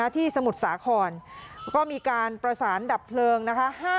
ที่สมุดสาขอนก็มีการประสานดับเพลิงนะคะ